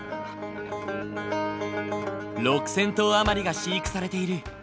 ６，０００頭余りが飼育されている。